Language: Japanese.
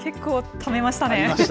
ためましたね。